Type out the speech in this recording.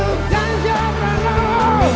ungkapkan apa yang kau lakukan